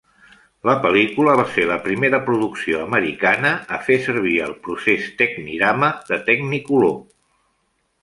La pel·lícula va ser la primera producció americana a fer servir el procés Technirama de Technicolor.